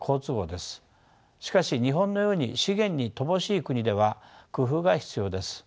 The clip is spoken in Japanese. しかし日本のように資源に乏しい国では工夫が必要です。